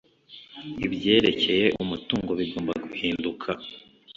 ibyerekeye umutungo bigomba guhinduka